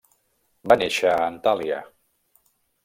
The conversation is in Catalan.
Va néixer a Antalya.